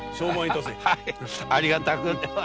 ではありがたく。